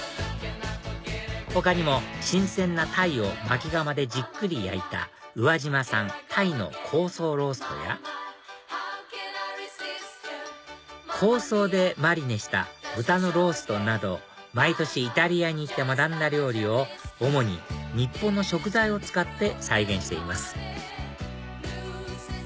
他にも新鮮なタイを薪窯でじっくり焼いた宇和島産鯛の香草ローストや香草でマリネした豚のローストなど毎年イタリアに行って学んだ料理を主に日本の食材を使って再現しています